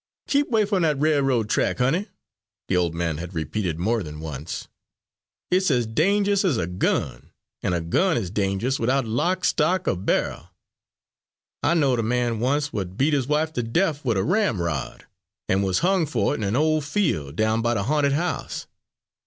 "Keep 'way f'm dat railroad track, honey," the old man had repeated more than once. "It's as dange'ous as a gun, and a gun is dange'ous widout lock, stock, er bairl: I knowed a man oncet w'at beat 'is wife ter def wid a ramrod, an' wuz hung fer it in a' ole fiel' down by de ha'nted house.